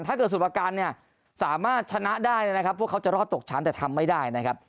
ถ้าเกิดส่วนประกันสามารถชนะได้พวกเขาจะรอดตกชั้นด้วยนะครับ